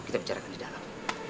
kita bicarakan di dalam